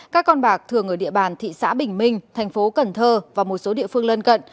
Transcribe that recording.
các con bạc thường ở địa bàn thị xã bình minh thành phố cần thơ và một số địa phương lân cận